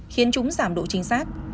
khiến chúng giảm độ chính xác